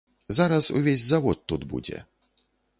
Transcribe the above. Зараз увесь завод тут будзе.